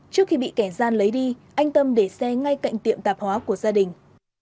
trước khi bị kẻ gian lấy đi anh tâm để xe ngay cạnh tiệm tạp hóa của gia đình